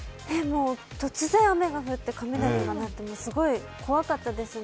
突然雨が降って雷が鳴って、すごい怖かったですね。